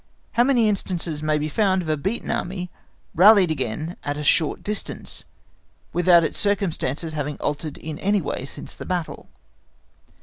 How many instances may be found of a beaten Army rallied again at a short distance, without its circumstances having altered in any way since the battle.